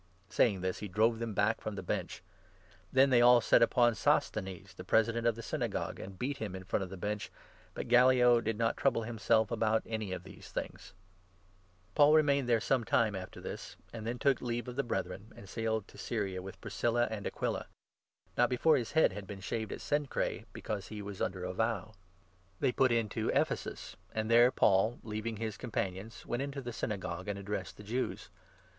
Saying this, he drove them back from the Bench. Then 16, they all set upon Sosthenes, the President of the Synagogue, and beat him in front of the Bench, but Gallio did not trouble himself about any of these things. Paul's Paul remained there some time after this, and 18 Return. then took leave of the Brethren, and sailed to Syria with Priscilla and Aquila, but not before his head had been shaved at Cenchreae, because he was under a vo'w. » 10 Isa. 43. 5 250 THE ACTS, 18 19. They put into Ephesus, and there Paul, leaving his com 19 panions, went into the Synagogue and addressed the Jews.